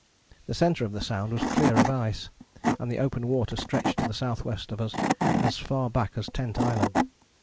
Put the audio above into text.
The centre of the Sound was clear of ice, and the open water stretched to the S. W. of us as far back as Tent Island.